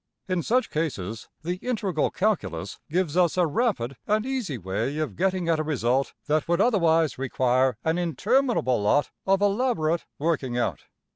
In such cases the integral calculus gives us a \emph{rapid} and easy way of getting at a result that would otherwise require an interminable lot of elaborate working out.